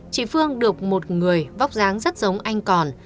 chị phương được một người vóc dáng rất giống anh còn